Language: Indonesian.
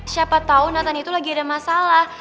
siapa tau nata nih itu lagi ada masalah